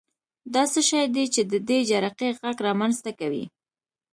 دا څه شی دی چې د دې جرقې غږ رامنځته کوي؟